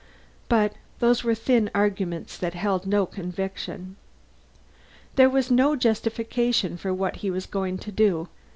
But those were thin arguments that held no conviction. There was no justification for what he was going to do.